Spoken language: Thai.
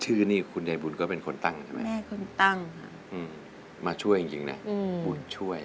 ชื่อนี่คุณยายบุญก็เป็นคนตั้งใช่ไหมแม่คนตั้งค่ะมาช่วยจริงนะบุญช่วย